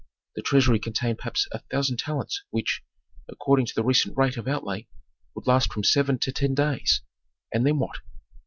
The treasury contained perhaps a thousand talents which, according to the recent rate of outlay would last from seven to ten days. And then what?